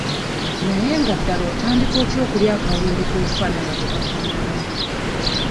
Naye nga ddala otandika otya okulya akawundo ku nfaanana gye kafaananamu?